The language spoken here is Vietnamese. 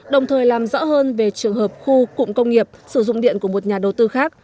đồng thời làm rõ hơn về trường hợp khu cụm công nghiệp sử dụng điện của một nhà đầu tư khác